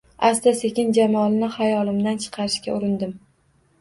Asta-sekin jamolini xayolimdan chiqarishga urindim.